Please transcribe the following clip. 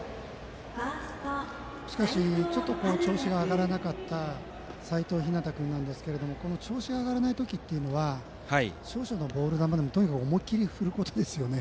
しかし、ちょっと調子が上がらなかった齋藤陽君ですが調子が上がらない時というのは少々のボール球でもとにかく思い切り振ることですね。